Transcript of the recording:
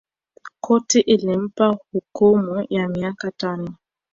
Koti ilimpa hukuma ya miaka tano